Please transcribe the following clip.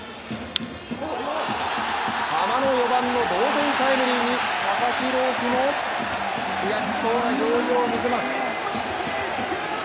ハマの４番の同点タイムリーに佐々木朗希も悔しそうな表情を見せます。